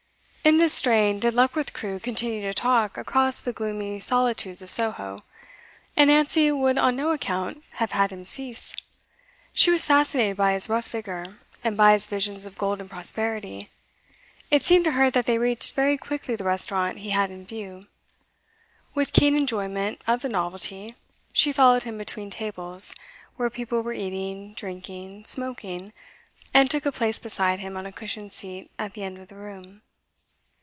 In this strain did Luckworth Crewe continue to talk across the gloomy solitudes of Soho. And Nancy would on no account have had him cease. She was fascinated by his rough vigour and by his visions of golden prosperity. It seemed to her that they reached very quickly the restaurant he had in view. With keen enjoyment of the novelty, she followed him between tables where people were eating, drinking, smoking, and took a place beside him on a cushioned seat at the end of the room.